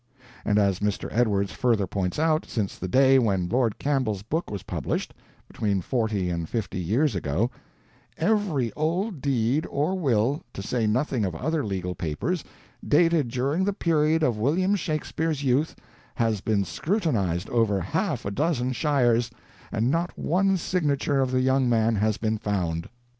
And as Mr. Edwards further points out, since the day when Lord Campbell's book was published (between forty and fifty years ago), "every old deed or will, to say nothing of other legal papers, dated during the period of William Shakespeare's youth, has been scrutinized over half a dozen shires, and not one signature of the young man has been found."